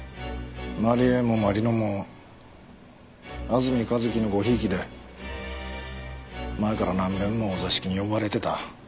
まり枝もまり乃も安住一輝のごひいきで前から何べんもお座敷に呼ばれてた。